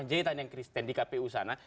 dr jayetan yang kristen di kpu sana